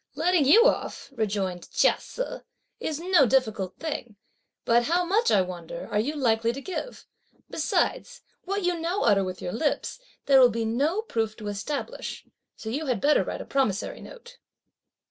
"Letting you off," rejoined Chia Se, "is no difficult thing; but how much, I wonder, are you likely to give? Besides, what you now utter with your lips, there will be no proof to establish; so you had better write a promissory note."